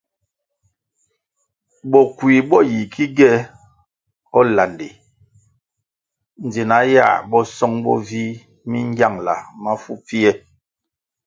Bokui bo yi ki gie landi dzina yãh bo song bo vih mi ngiangla mafu pfie.